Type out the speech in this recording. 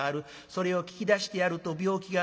それを聞き出してやると病気が治る。